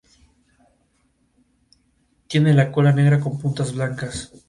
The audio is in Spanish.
Fukuoka a veces todavía se conoce como Hakata, el distrito central de la ciudad.